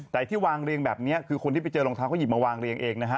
แต่ที่วางเรียงแบบนี้คือคนที่ไปเจอรองเท้าเขาหยิบมาวางเรียงเองนะฮะ